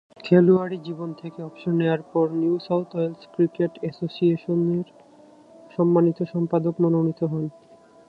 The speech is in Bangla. খেলোয়াড়ী জীবন থেকে অবসর নেয়ার পর নিউ সাউথ ওয়েলস ক্রিকেট অ্যাসোসিয়েশনের সম্মানিত সম্পাদক মনোনীত হন।